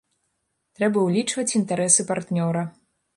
Трэба ўлічваць інтарэсы партнёра.